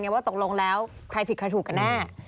ว่าตกลงแล้วใครผิดใครถูกกันแน่